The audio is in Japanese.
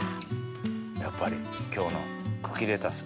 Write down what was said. やっぱり今日の茎レタス。